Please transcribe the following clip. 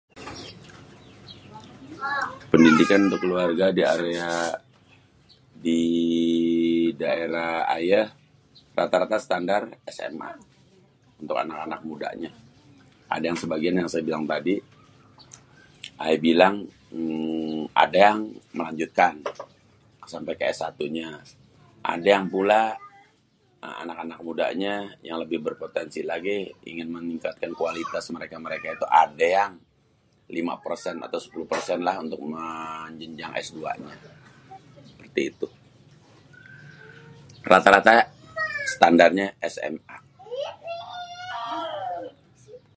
Pendidikan untuk keluarga di area, di daerah ayê rata-rata standar SMA, untuk anak-anak mudanya. Ada yang sebagian yang saya bilang-bilang tadi ayê bilang ada yang melanjutkan sampe ke S1 nya, ada yang pula anak-anak mudanya yang lebih berpotensi lagi ingin meningkatkan kualitas mereka-mereka itu adé yang lima persen atau sepuluh persen lah untuk yang jenjang s2 nya. Seperti itu, rata-rata standarnya SMA.